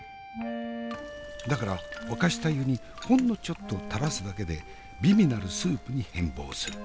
だから沸かした湯にほんのちょっとたらすだけで美味なるスープに変貌する。